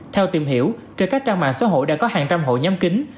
theo tìm hiểu trên các trang mạng xã hội đã có hàng trăm hội nhóm kính